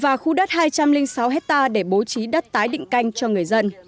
và khu đất hai trăm linh sáu hectare để bố trí đất tái định canh cho người dân